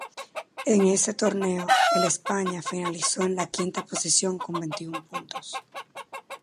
En ese torneo, el España finalizó en la quinta posición con veintiún puntos.